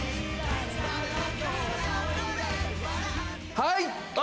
はい！